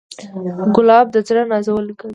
ګلاب د زړه نازولی ګل دی.